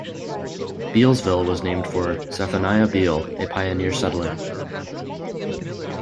Beallsville was named for Zephaniah Bealle, a pioneer settler.